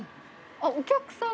あっお客さん！